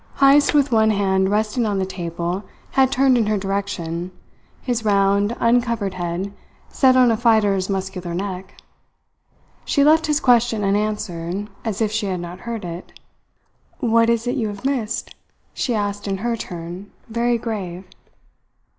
Heyst, with one hand resting on the table, had turned in her direction, his round, uncovered head set on a fighter's muscular neck. She left his question unanswered, as if she had not heard it. "What is it you have missed?" she asked in her turn, very grave.